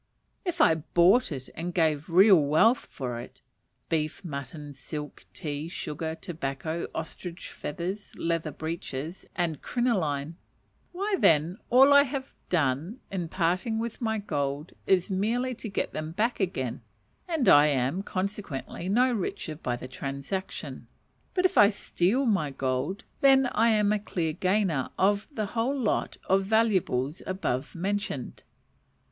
If I bought it, and gave real wealth for it, beef, mutton, silk, tea, sugar, tobacco, ostrich feathers, leather breeches, and crinoline, why, then, all I have done in parting with my gold, is merely to get them back again, and I am, consequently, no richer by the transaction; but if I steal my gold, then I am a clear gainer of the whole lot of valuables above mentioned.